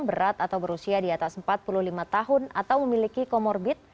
berat atau berusia di atas empat puluh lima tahun atau memiliki komorbit